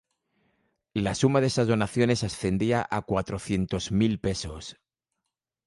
La suma de estas donaciones ascendía a cuatrocientos mil pesos.